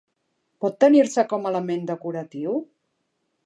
Pot tenir-se com a element decoratiu?